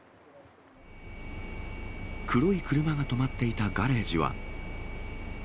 黒い車が止まっていたガレージは。